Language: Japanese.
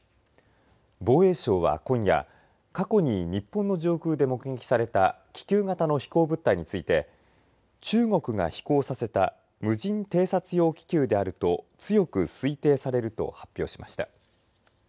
防衛省は今夜過去に日本の上空で目撃された気球型の飛行物体について中国が飛行させた無人偵察用気球であると強く推定されると発表しました。